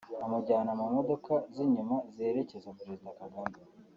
bamujyana mu modoka z’inyuma ziherekeza perezida Kagame